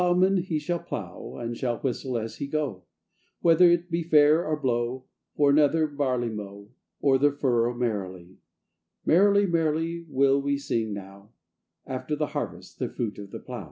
Now the plowman he shall plow, And shall whistle as he go, Whether it be fair or blow, For another barley mow, O'er the furrow merrily: Merrily, merrily, will we sing now, After the harvest, the fruit of the plow.